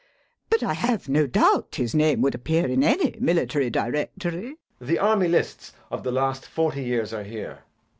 But I have no doubt his name would appear in any military directory. JACK. The Army Lists of the last forty years are here.